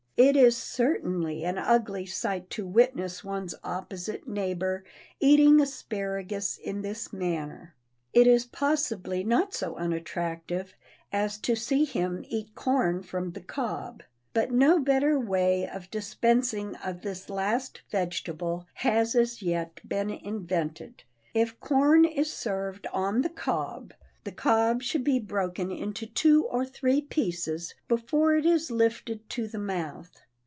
It is certainly an ugly sight to witness one's opposite neighbor eating asparagus in this manner. It is possibly not so unattractive as to see him eat corn from the cob. But no better way of disposing of this last vegetable has as yet been invented. If corn is served on the cob, the cob should be broken into two or three pieces before it is lifted to the mouth.